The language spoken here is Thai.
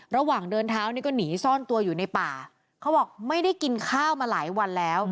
ระหว่างเดินเท้านี่ก็หนีซ่อนตัวอยู่ในป่าเขาบอกไม่ได้กินข้าวมาหลายวันแล้ว